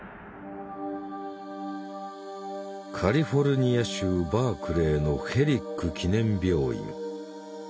カリフォルニア州バークレーのヘリック記念病院。